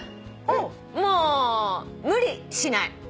もう無理しない。